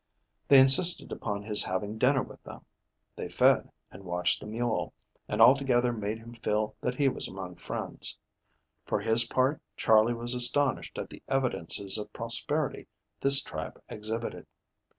They insisted upon his having dinner with them. They fed and watched the mule, and altogether made him feel that he was among friends. For his part Charley was astonished at the evidences of prosperity this tribe exhibited.